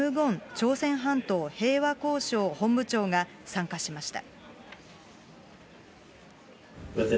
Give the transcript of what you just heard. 朝鮮半島平和交渉本部長が参加しました。